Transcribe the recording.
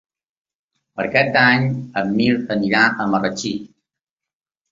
Per Cap d'Any en Mirt anirà a Marratxí.